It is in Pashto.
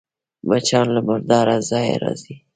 مچان له مرداره ځایه راځي